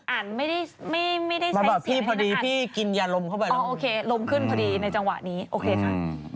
อ่านไม่ได้ใช้เสียงอะไรนะครับโอเคลมขึ้นพอดีในจังหวะนี้โอเคค่ะ